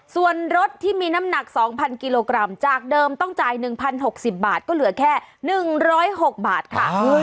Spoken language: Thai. ส่วนรถที่มีน้ำหนัก๒๐๐กิโลกรัมจากเดิมต้องจ่าย๑๐๖๐บาทก็เหลือแค่๑๐๖บาทค่ะ